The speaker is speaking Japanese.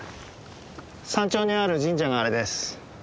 山頂にある神社があれです。